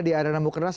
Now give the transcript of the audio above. di arena mukernas